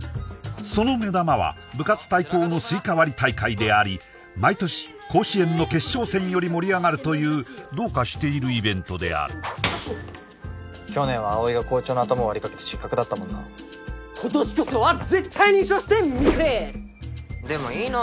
その目玉は部活対抗のスイカ割り大会であり毎年甲子園の決勝戦より盛り上がるというどうかしているイベントである去年は葵が校長の頭割りかけて失格だったもんな今年こそは絶対優勝してみせるでもいいの？